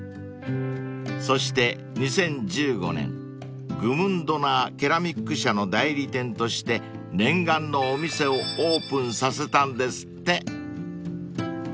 ［そして２０１５年グムンドナー・ケラミック社の代理店として念願のお店をオープンさせたんですって］